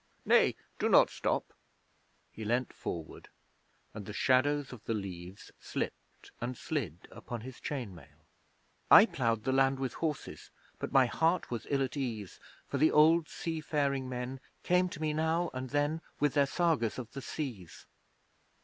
'Nay, do not stop!' He leaned forward, and the shadows of the leaves slipped and slid upon his chain mail. '"I ploughed the land with horses, But my heart was ill at ease, For the old sea faring men Came to me now and then With their Sagas of the Seas."'